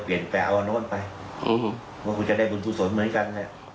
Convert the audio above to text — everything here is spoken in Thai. เพราะคุณจะได้บุญภูมิสวนเหมือนกัน